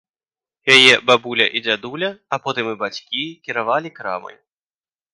Яе бабуля і дзядуля, а потым і бацькі кіравалі крамай.